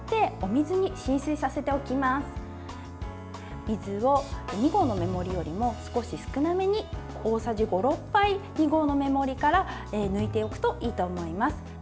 水を２合の目盛りよりも少し少なめに大さじ５６杯２合の目盛りから抜いておくといいと思います。